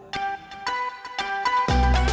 saya juga ngantuk